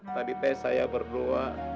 tadi teks saya berdua